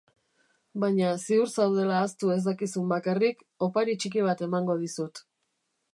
Baina ziur zaudela ahaztu ez dakizun bakarrik, opari txiki bat emango dizut.